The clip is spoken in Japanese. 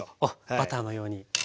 バターのように。